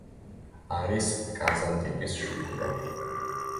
არის კაზანტიპის შუქურა.